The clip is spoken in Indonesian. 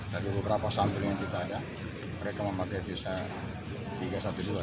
dari beberapa samping yang kita ada mereka memakai visa tiga ratus dua belas